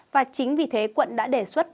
và chính vì thế quận đã đề xuất